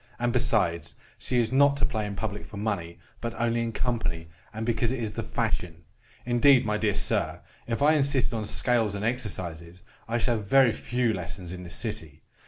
And, besides, she is not to play in public for money, but only in company, and because it is the fashion. Indeed, my dear sir, if I insisted on scales and exercises, I should have very few lessons in this city.